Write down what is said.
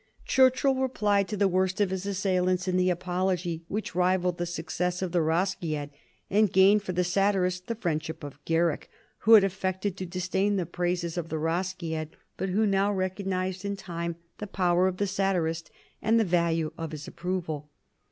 Churchill replied to the worst of his assailants in "The Apology," which rivalled the success of "The Rosciad," and gained for the satirist the friendship of Garrick, who had affected to disdain the praises of "The Rosciad," but who now recognized in time the power of the satirist and the value of his approval.